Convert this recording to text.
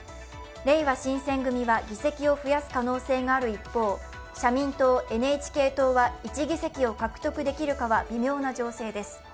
れいわ新選組は議席を増やす可能性がある一方、社民党、ＮＨＫ党は１議席を獲得できるかは微妙な情勢です。